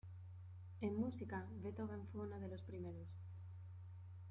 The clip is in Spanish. En música, Beethoven fue uno de los primeros.